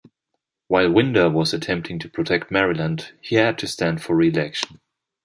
While Winder was attempting to protect Maryland, he had to stand for re-election.